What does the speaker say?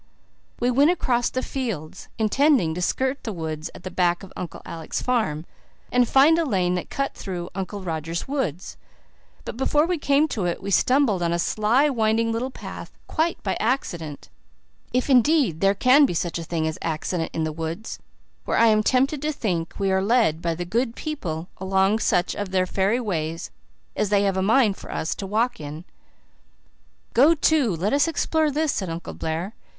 We went across the fields, intending to skirt the woods at the back of Uncle Alec's farm and find a lane that cut through Uncle Roger's woods; but before we came to it we stumbled on a sly, winding little path quite by accident if, indeed, there can be such a thing as accident in the woods, where I am tempted to think we are led by the Good People along such of their fairy ways as they have a mind for us to walk in. "Go to, let us explore this," said Uncle Blair.